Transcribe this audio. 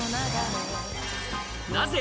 なぜ？